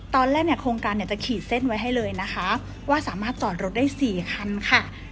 ตอนแรกเนี่ยโครงการเนี่ยจะขีดเส้นไว้ให้เลยนะคะว่าสามารถจอดรถได้๔คันค่ะ